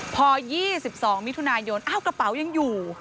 พอ๒๒มิถุนายนอ้าวกระเป๋ายังอยู่